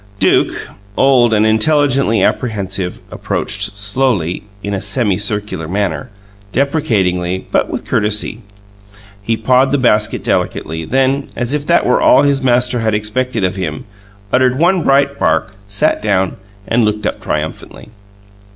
Duke, old and intelligently apprehensive, approached slowly, in a semicircular manner, deprecatingly, but with courtesy. He pawed the basket delicately; then, as if that were all his master had expected of him, uttered one bright bark, sat down, and looked up triumphantly.